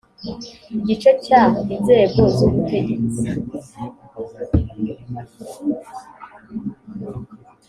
igice cya inzego z ubutegetsi